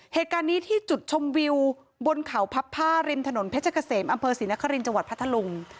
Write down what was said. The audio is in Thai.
เหตุการณ์นี้ที่จุดชมวิวบนเขาพับผ้าริมถนนเพชรเกษมอำเภอศรีนครินทร์จังหวัดพัทธลุง